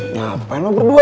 ngapain lo berdua